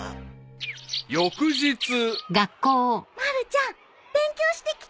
［翌日］まるちゃん勉強してきた？